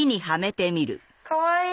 かわいい！